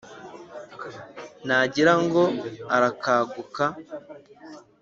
nagira ngo arakaguka,